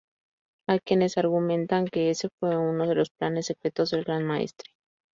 Hay quienes argumentan que ese fue uno de los planes secretos del Gran Maestre.